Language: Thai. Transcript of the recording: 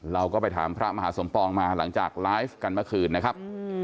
เราก็ไปถามพระมหาสมปองมาหลังจากไลฟ์กันเมื่อคืนนะครับ